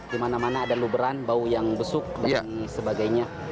di mana mana ada luberan bau yang besuk dan sebagainya